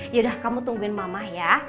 yaudah kamu tungguin mamah ya